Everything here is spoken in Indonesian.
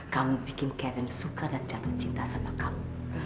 kamu bikin kevin suka dan jatuh cinta sama kamu